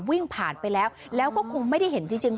วิ่งผ่านไปแล้วแล้วก็คงไม่ได้เห็นจริง